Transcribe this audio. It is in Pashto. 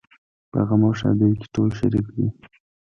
په غم او ښادۍ کې ټول شریک دي.